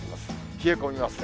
冷え込みますね。